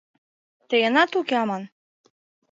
— Тыйынат уке аман.